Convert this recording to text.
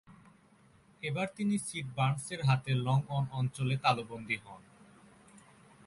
এবার তিনি সিড বার্নসের হাতে লং অন অঞ্চলে তালুবন্দী হন।